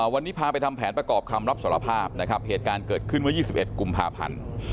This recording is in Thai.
วันนี้พาไปทำแผนประกอบคำรับสารภาพนะครับเหตุการณ์เกิดขึ้นเมื่อ๒๑กุมภาพันธ์